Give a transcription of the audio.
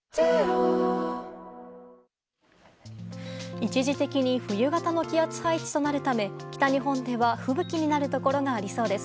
一時的に冬型の気圧配置となるため北日本では吹雪になるところがありそうです。